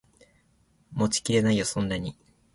持ちきれないよそんなに